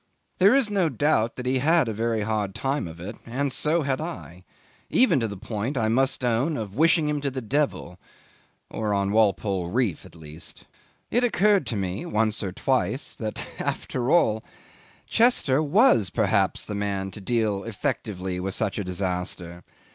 There is no doubt that he had a very hard time of it, and so had I, even to the point, I must own, of wishing him to the devil, or on Walpole Reef at least. It occurred to me once or twice that, after all, Chester was, perhaps, the man to deal effectively with such a disaster.